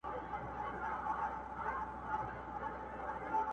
څه نعمت خالق راکړی وو ارزانه،